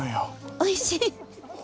おいしい？